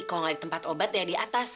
kalau gak ada tempat obat ya di atas